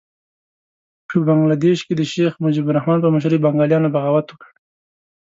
په بنګه دېش کې د شیخ مجیب الرحمن په مشرۍ بنګالیانو بغاوت وکړ.